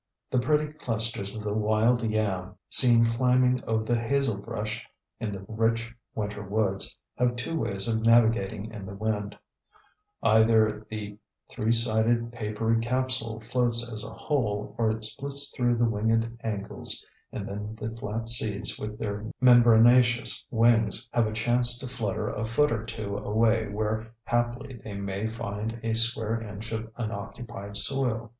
The pretty clusters of the wild yam, seen climbing over the hazelbrush in the rich winter woods, have two ways of navigating in the wind; either the three sided, papery capsule floats as a whole, or it splits through the winged angles and then the flat seeds with their membranaceous wings have a chance to flutter a foot or two away where haply they may find a square inch of unoccupied soil.